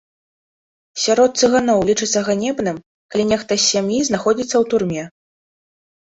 Сярод цыганоў лічыцца ганебным, калі нехта з сям'і знаходзіцца ў турме.